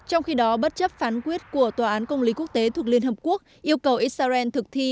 trong khi đó bất chấp phán quyết của tòa án công lý quốc tế thuộc liên hợp quốc yêu cầu israel thực thi